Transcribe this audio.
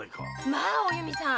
まあおゆみさん！